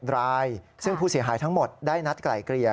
รายซึ่งผู้เสียหายทั้งหมดได้นัดไกลเกลี่ย